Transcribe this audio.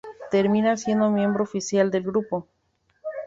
Termina siendo miembro oficial del grupo.